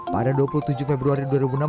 pada dua puluh tujuh februari dua ribu enam belas